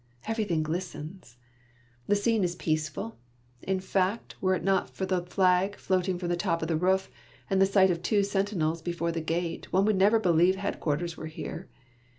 Everything glistens. The scene is peaceful. In fact, were it not for the flag float ing from the top of the roof, and the sight of two sentinels before the gate, one would never believe headquarters were here.